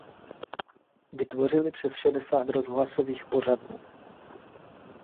Vytvořili přes šedesát rozhlasových pořadů.